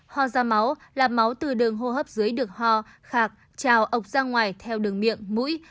ho da máu là máu từ đường hô hấp dưới được ho khạc trào ốc ra ngoài theo đường miệng mũi